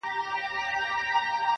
د دې لپاره چي ډېوه به یې راځي کلي ته